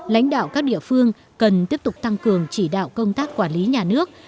lãnh đạo các địa phương cần tiếp tục tăng cường chỉ đạo công tác quản lý nhà nước